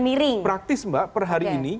miring salah satunya praktis mbak per hari ini